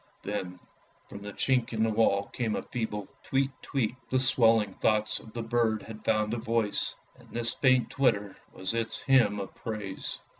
Then from the chink in the wall came a feeble tweet tweet; the swelling thoughts of the bird had found a voice, and this faint twitter was its hymn of praise.